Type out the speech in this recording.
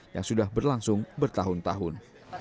yang sudah berlangsung bertahun tahun